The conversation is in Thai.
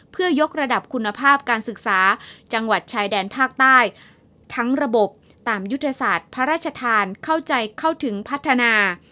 เพื่อยกระดับคุณภาพการศึกษาจังหวัดชายแดนภาคใต้ทั้งระบบตามยุทธศาสตร์พระราชทานเข้าใจเข้าถึงพัฒนา